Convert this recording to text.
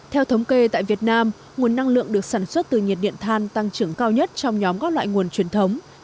theo thống kê tại việt nam nguồn năng lượng được sản xuất từ nhiệt điện than tăng trưởng cao nhất trong nhóm các loại nguồn truyền thống